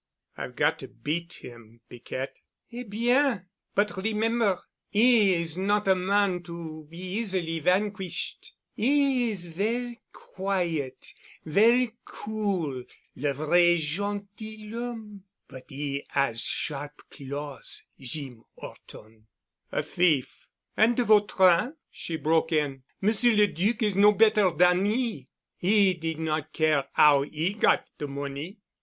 "I've got to beat him, Piquette." "Eh, bien! But remember, 'e is not a man to be easily vanquished. 'E is ver' quiet, ver' cool, le vrai gentilhomme, but 'e 'as sharp claws, Jeem 'Orton." "A thief——" "And de Vautrin?" she broke in. "Monsieur le Duc is no better dan he. He did not care 'ow 'e got de money."